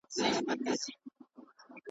بیا مې ټيټي سترګې بیايي